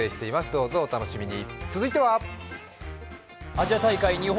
どうぞお楽しみに！